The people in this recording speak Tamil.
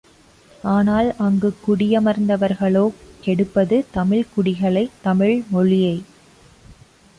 ஆனால் அங்குக் குடியமர்ந்தவர்களோ கெடுப்பது தமிழ்க்குடிகளை தமிழ் மொழியை!